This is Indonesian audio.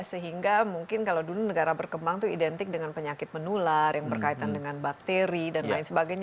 sehingga mungkin kalau dulu negara berkembang itu identik dengan penyakit menular yang berkaitan dengan bakteri dan lain sebagainya